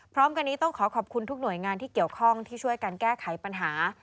พร้อมกันนี้ต้องขอขอบคุณทุกหน่วยงานที่เกี่ยวข้องที่ช่วยกันแก้ไขปัญหา